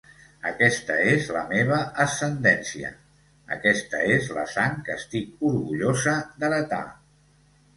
Aquesta és la meva ascendència; aquesta és la sang que estic orgullosa d'heretar.